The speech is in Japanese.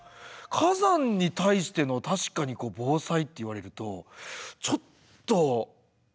火山に対しての確かに防災っていわれるとちょっと怖いですね。